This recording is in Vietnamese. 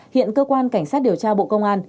hiện cơ quan cảnh sát điều tra bộ công an